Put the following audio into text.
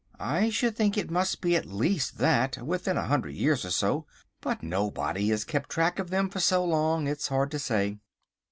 I should think it must be at least that, within a hundred years or so; but nobody has kept track of them for so long, it's hard to say."